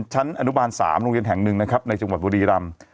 ชั้นอนุบาล๓โรงเรียนแห่งหนึ่งนะครับในจังหวัดบุรีรำ